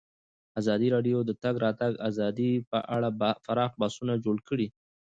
ازادي راډیو د د تګ راتګ ازادي په اړه پراخ بحثونه جوړ کړي.